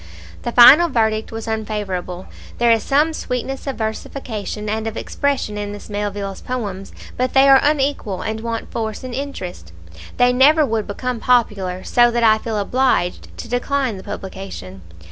The final verdict was unfavourable: "There is some sweetness of versification and of expression in Miss Melville's poems, but they are unequal, and want force and interest. They never would become popular, so that I feel obliged to decline the publication.